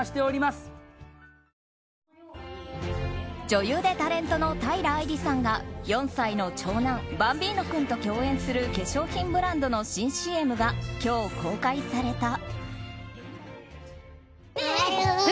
女優でタレントの平愛梨さんが４歳の長男バンビーノ君と共演する化粧品ブランドの新ＣＭが今日、公開された。